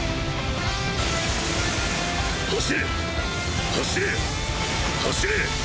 走れ走れ走れ。